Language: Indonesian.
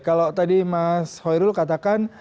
kalau tadi mas hoirul katakan